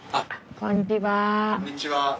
こんにちは。